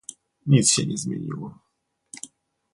Nic się nie zmieniło